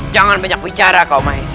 jangan banyak bicara kau maiza